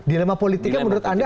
dilema politiknya menurut anda